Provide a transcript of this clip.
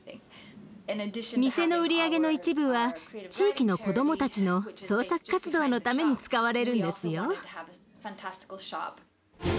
店の売り上げの一部は地域の子どもたちの創作活動のために使われるんですよ。